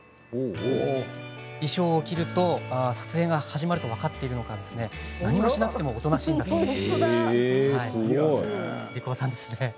衣装を着ると撮影が始まると分かっているのか何もしなくてもおとなしいんだそうです。